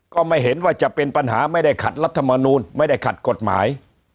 ก็ไม่เห็นว่าจะเป็นปัญหาไม่ได้ขัดรัฐมนูลไม่ได้ขัดกฎหมาย